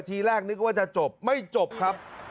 ทีแรกนึกว่าจะจบไม่จบครับ